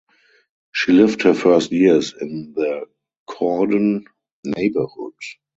She lived her first years in the Cordon neighbourhood.